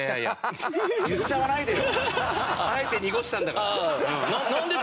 あえて濁したんだから。